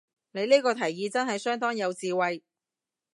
你呢個提議真係相當有智慧